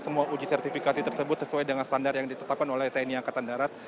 semua uji sertifikasi tersebut sesuai dengan standar yang ditetapkan oleh tni angkatan darat